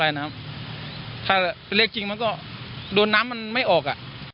ถ้าเลขจริงมันก็โดนน้ำมันไม่ออก